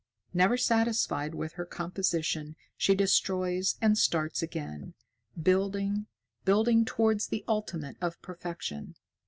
Never satisfied with her composition, she destroys and starts again, building, building towards the ultimate of perfection.